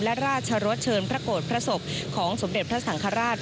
และราชรสเชิญพระโกรธพระศพของสมเด็จพระสังฆราช